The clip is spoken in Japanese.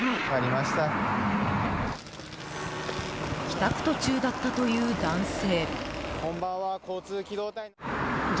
帰宅途中だったという男性。